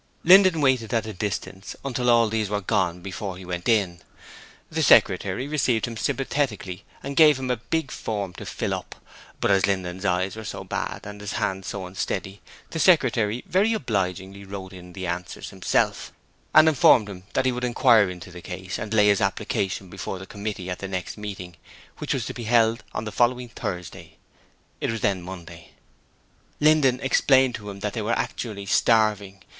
Linden waited at a distance until all these were gone before he went in. The secretary received him sympathetically and gave him a big form to fill up, but as Linden's eyes were so bad and his hand so unsteady the secretary very obligingly wrote in the answers himself, and informed him that he would inquire into the case and lay his application before the committee at the next meeting, which was to be held on the following Thursday it was then Monday. Linden explained to him that they were actually starving.